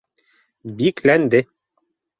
бикләнде